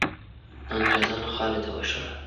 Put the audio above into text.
د انګریزانو خاورې ته وشړل.